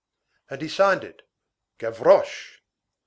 And he signed it: "GAVROCHE."